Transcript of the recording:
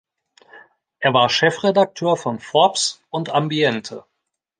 Er war Chefredakteur von "Forbes" und "Ambiente".